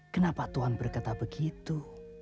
kenapa tuhan berkata begitu